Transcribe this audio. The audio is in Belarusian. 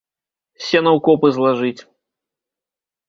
Сена ў копы злажыць!